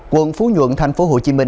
quận phú nhuận tp hcm